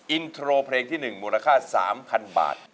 อินโทรเพลงที่๑มูลค่า๓๐๐๐บาท